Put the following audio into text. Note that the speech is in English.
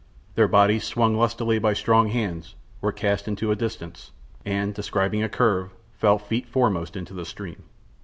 The bodies, swung lustily by strong hands, were cast to a distance, and, describing a curve, fell feet foremost into the stream.